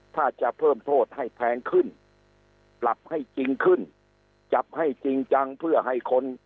ถ้าจะเพิ่มโทษให้แพงขึ้นปรับให้จริงขึ้นจับให้จริงจังเพื่อให้คน